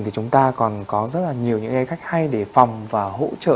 thì chúng ta còn có rất là nhiều những cái cách hay để phòng và hỗ trợ